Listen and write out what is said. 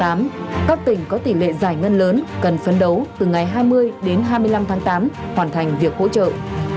các tỉnh có tỷ lệ giải ngân lớn cần phấn đấu từ ngày hai mươi đến hai mươi năm tháng tám hoàn thành việc hỗ trợ